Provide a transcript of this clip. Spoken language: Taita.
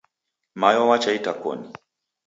Mayo wacha itakoni.